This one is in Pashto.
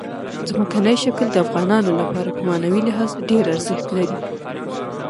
ځمکنی شکل د افغانانو لپاره په معنوي لحاظ ډېر ارزښت لري.